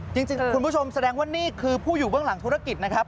คุณผู้ชมแสดงว่านี่คือผู้อยู่เบื้องหลังธุรกิจนะครับ